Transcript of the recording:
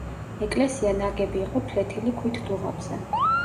ეკლესია ნაგები იყო ფლეთილი ქვით დუღაბზე.